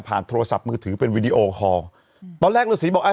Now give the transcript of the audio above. โทรศัพท์มือถือเป็นวีดีโอคอลตอนแรกฤษีบอกอ่า